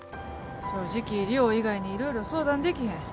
正直亮以外に色々相談できへん。